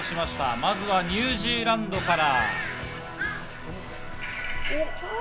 まずはニュージーランドから。